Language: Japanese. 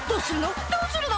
どうするの？